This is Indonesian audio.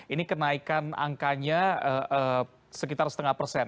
ini kenaikan angkanya sekitar setengah persen